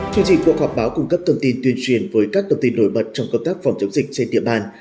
chương trình cuộc họp báo cung cấp thông tin tuyên truyền với các thông tin nổi bật trong công tác phòng chống dịch trên địa bàn